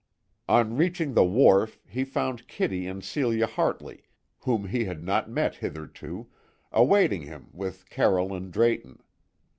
On reaching the wharf he found Kitty and Celia Hartley, whom he had not met hitherto, awaiting him with Carroll and Drayton.